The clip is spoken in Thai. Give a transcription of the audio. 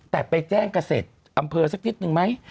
แต่ไปแจ้งเกษตรอำเภอสักนิดนึงไหม